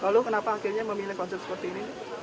lalu kenapa akhirnya memilih konsep seperti ini